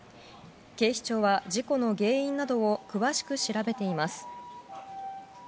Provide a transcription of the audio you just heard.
警視庁は事故の原因などを詳しく調べています。